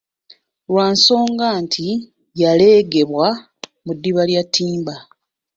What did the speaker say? Lwa nsonga nti yaleegebwa mu ddiba lya ttimba.